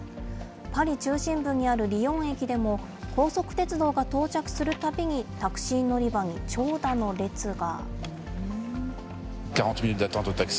パリ中心部にあるリヨン駅でも、高速鉄道が到着するたびにタクシー乗り場に長蛇の列が。